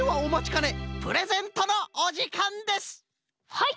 はい！